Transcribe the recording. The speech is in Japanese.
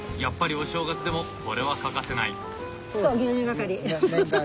やっぱりお正月でもこれは欠かせない！